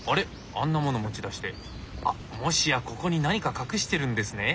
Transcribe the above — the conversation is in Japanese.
あんなもの持ち出してもしやここに何か隠してるんですね？